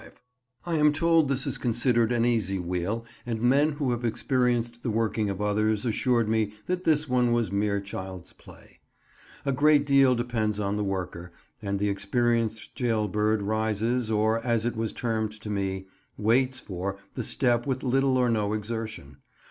I am told this is considered an easy wheel, and men who have experienced the working of others assured me that this one was mere child's play. A great deal depends on the worker, and the experienced jail bird rises—or, as it was termed to me, "waits for"—the step with little or no exertion.